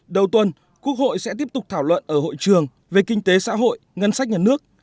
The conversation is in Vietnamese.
đầu tuần quốc hội sẽ tiếp tục thảo luận ở hội trường về kinh tế xã hội ngân sách nhà nước